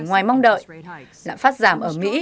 ngoài mong đợi lạm phát giảm ở mỹ